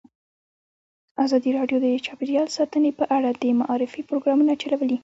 ازادي راډیو د چاپیریال ساتنه په اړه د معارفې پروګرامونه چلولي.